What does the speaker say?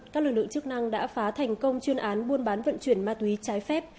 các lực lượng chức năng đã phá thành công chuyên án buôn bán vận chuyển ma túy trái phép